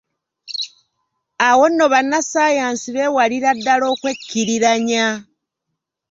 Awo nno bannassaayansi beewalira ddala okwekkiriranya.